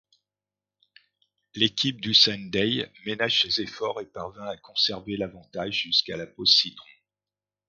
L'équipe d'Hussein-Dey, ménage ses efforts et parvient à conserver l'avantage jusqu'à la pause citron.